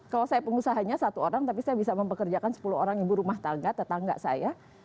kalau saya pengusahanya satu orang tapi saya bisa mempekerjakan sepuluh orang ibu rumah tangga tetangga saya